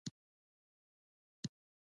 دریشي د صداقت نښه هم ګڼل کېږي.